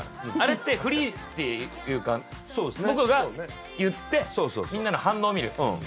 あれってフリーっていうか僕が言ってみんなの反応を見る。